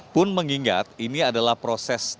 pun mengingat ini adalah proses tes kesehatan